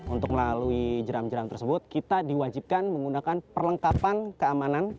untuk melalui jeram jeram tersebut kita diwajibkan menggunakan perlengkapan keamanan